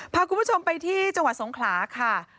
พาคุณผู้ชมไปที่จังหวัดสงขลาค่ะ